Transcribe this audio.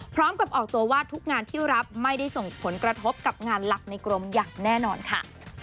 พร้อมกับออกตัวว่าทุกงานที่รับไม่ได้ส่งผลกระทบกับงานหลักในกรมอย่างแน่นอนค่ะ